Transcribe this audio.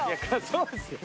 そうですよ。